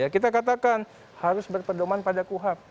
kita katakan harus berpedoman pada kuhap